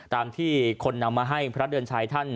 ตามที่คนนำมาให้พระเดือนชัยท่าน